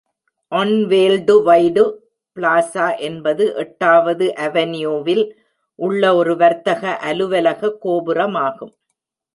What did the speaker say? One worldwide plaza என்பது எட்டாவது அவென்யூவில் உள்ள ஒரு வர்த்தக அலுவலக கோபுரமாகும்.